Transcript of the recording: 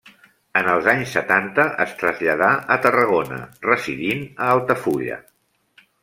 En els anys setanta es traslladà a Tarragona, residint a Altafulla.